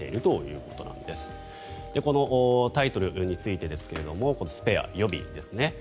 このタイトルについてですが「スペア」、予備ですね。